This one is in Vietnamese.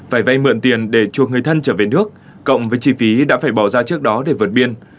phải vay mượn tiền để chuộc người thân trở về nước cộng với chi phí đã phải bỏ ra trước đó để vượt biên